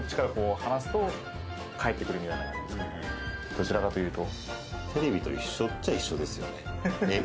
どちらかというと。